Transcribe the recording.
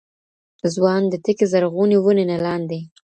ځوان د تکي زرغونې وني نه لاندي~